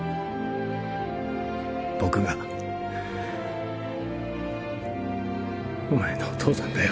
僕がお前のお父さんだよ